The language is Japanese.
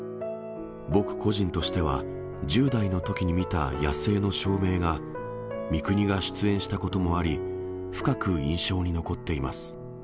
僕個人としては、１０代のときに見た野性の証明が、三國が出演したこともあり、深く印象に残っています。